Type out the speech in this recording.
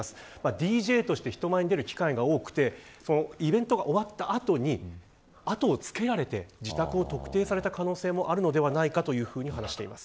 ＤＪとして人前に出る機会が多くてイベントが終わった後に後をつけられて自宅を特定された可能性もあるのではないかと話しています。